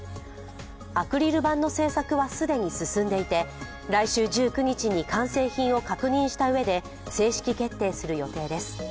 アクリル板の製作は既に進んでいて、来週１９日に完成品を確認したうえで正式決定する予定です。